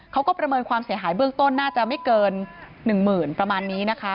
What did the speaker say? ประเมินความเสียหายเบื้องต้นน่าจะไม่เกิน๑หมื่นประมาณนี้นะคะ